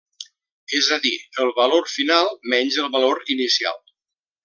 És a dir el valor final menys el valor inicial.